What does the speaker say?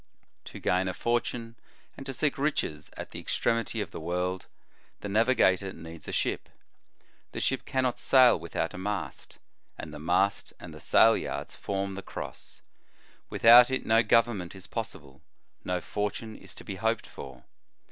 "To gain a fortune and to seek riches at o the extremity of the world, the navigator needs a ship; the ship cannot sail without a mast, and the mast and the sail yards form the Cross; without it no government is possible, no fortune is to be hoped for.